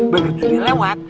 begitu ini lewat